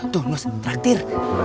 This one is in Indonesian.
tuh nus traktir